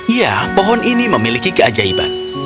ya pohon ini memiliki keajaiban